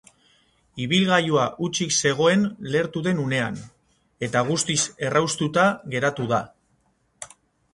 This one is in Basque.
Ibilgailua hutsik zegoen lehertu den unean, eta guztiz erraustuta geratu da.